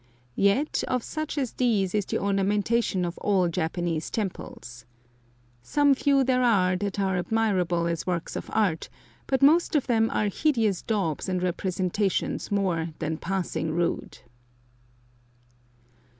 Yet, of such as these is the ornamentation of all Japanese temples. Some few there are that are admirable as works of art, but most of them are hideous daubs and representations more than passing rude.